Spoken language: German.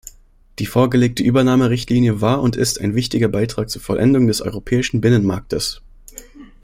Die vorgelegte Übernahmerichtlinie war und ist ein wichtiger Beitrag zur Vollendung des europäischen Binnenmarktes.